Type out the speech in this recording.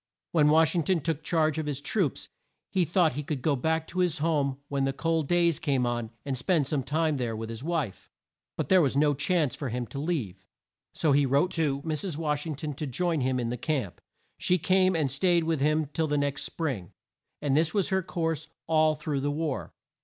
When Wash ing ton took charge of the troops, he thought that he could go back to his home when the cold days came on, and spend some time there with his wife. But there was no chance for him to leave, so he wrote to Mrs. Wash ing ton to join him in the camp. She came and staid with him till the next spring; and this was her course all through the war.